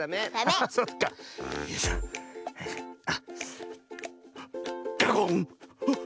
あっ！